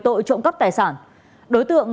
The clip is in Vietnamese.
tội trộm cấp tài sản đối tượng